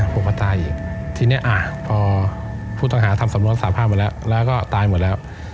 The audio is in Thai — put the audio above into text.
ภูเขาตายพอผู้ต่างหาทำสำรวจสามารถตายหมดแล้ว